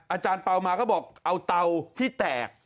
อาจารย์เปล่ามาก็บอกเอาเตาที่แตก